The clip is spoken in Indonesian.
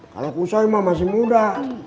kalau kusoy masih muda